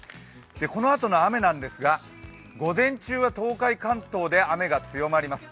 このあとの雨なんですが、午前中は東海・関東で雨が強まります。